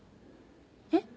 えっ？